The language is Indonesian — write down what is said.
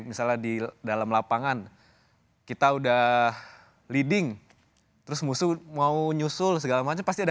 misalnya di dalam lapangan kita udah leading terus musuh mau nyusul segala macam pasti ada